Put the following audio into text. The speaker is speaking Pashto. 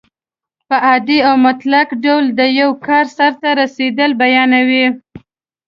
په عادي او مطلق ډول د یو کار سرته رسېدل بیانیوي.